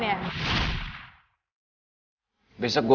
sembilan belas depan berikutnya